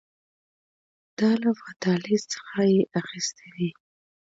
دا له فاتالیس څخه یې اخیستي دي